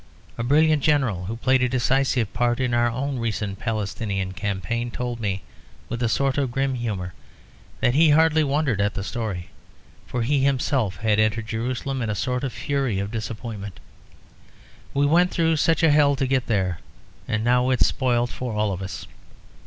A brilliant general, who played a decisive part in our own recent Palestinian campaign, told me with a sort of grim humour that he hardly wondered at the story; for he himself had entered Jerusalem in a sort of fury of disappointment; "We went through such a hell to get there, and now it's spoilt for all of us."